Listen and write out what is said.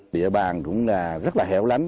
địa bàn cũng là rất là hẻo lắm